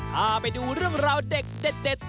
พาไปดูเรื่องราวเด็ด